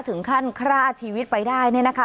ถึงขั้นฆ่าชีวิตไปได้เนี่ยนะคะ